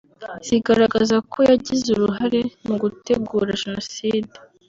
zigaragaza ko yagize uruhare mu gutegura Jenoside